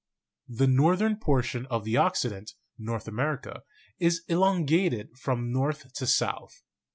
The northern portion of the Occident, North America, is elongated from north to south."